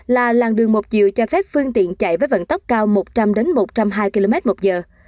là làng đường một chiều cho phép phương tiện chạy với vận tốc cao một trăm linh một trăm hai km một giờ